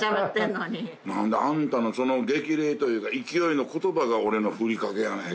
あんたのその激励というか勢いの言葉が俺のふりかけやねん。